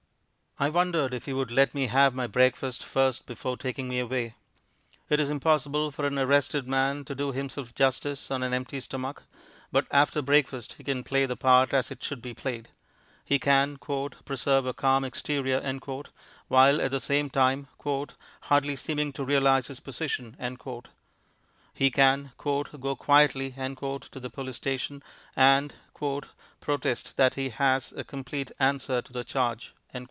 I wondered if he would let me have my breakfast first before taking me away. It is impossible for an arrested man to do himself justice on an empty stomach, but after breakfast he can play the part as it should be played. He can "preserve a calm exterior" while at the same time "hardly seeming to realize his position"; he can "go quietly" to the police station and "protest that he has a complete answer to the charge."